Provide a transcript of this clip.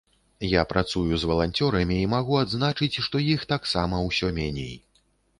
Я працую з валанцёрамі і магу адзначыць, што іх таксама ўсё меней.